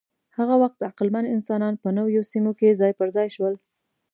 هغه وخت عقلمن انسانان په نویو سیمو کې ځای پر ځای شول.